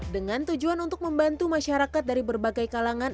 dengan tujuan untuk membantu masyarakat dari berbagai kalangan